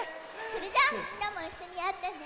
それじゃあみんなもいっしょにやってね！